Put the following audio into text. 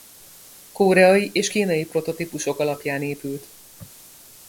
Koreai és kínai prototípusok alapján épült.